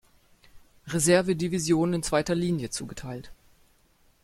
Reserve-Division in zweiter Linie zugeteilt.